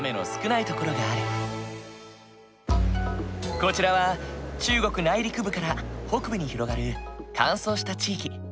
こちらは中国内陸部から北部に広がる乾燥した地域。